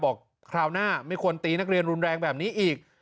คราวหน้าไม่ควรตีนักเรียนรุนแรงแบบนี้อีก